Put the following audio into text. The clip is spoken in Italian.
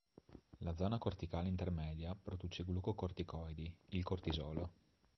La zona corticale intermedia produce glucocorticoidi, il cortisolo.